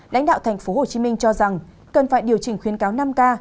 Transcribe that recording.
lãnh đạo tp hcm cho rằng cần phải điều chỉnh khuyến cáo năm k